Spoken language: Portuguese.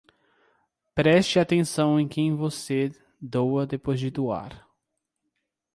Preste atenção em quem você doa depois de doar